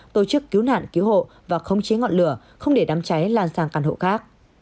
tổ chức cứu nạn cứu hộ và khống chế ngọn lửa không để đám cháy lan sang căn hộ khác